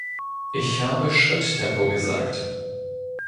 Ich habe 'Schritttempo' gesagt.